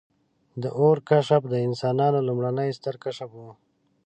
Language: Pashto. • د اور کشف د انسانانو لومړنی ستر کشف و.